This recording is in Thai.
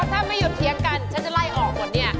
ถ้าไม่หยุดเถียงกันฉันจะไล่ออกหมดเนี่ย